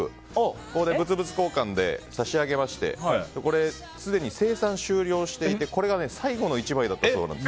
ここで物々交換で差し上げましてこれ、すでに生産終了していて最後の１枚だったそうです。